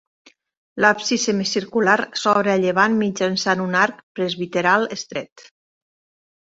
L'absis semicircular s'obre a llevant mitjançant un arc presbiteral estret.